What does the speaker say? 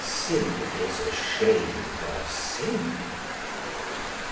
sin is asham'd of sin.